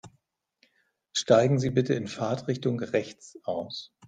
Steigen Sie bitte in Fahrtrichtung rechts aus.